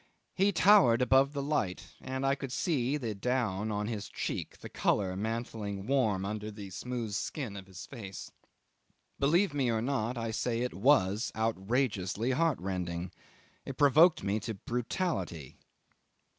He towered above the light, and I could see the down on his cheek, the colour mantling warm under the smooth skin of his face. Believe me or not, I say it was outrageously heartrending. It provoked me to brutality.